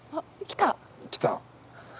来た？